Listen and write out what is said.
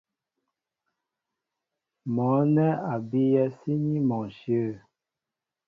Mɔ̌ nɛ́ a bíyɛ́ síní mɔ ǹshyə̂.